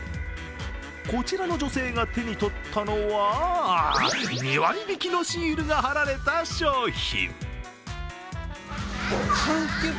こちらの女性が手に取ったのは２割引きのシールが貼られた商品。